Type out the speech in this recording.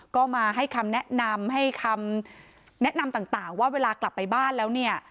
ก็มาให้คำแนะนำให้คำแนะนำต่างว่าเวลากลับไปบ้านแล้วเนี่ย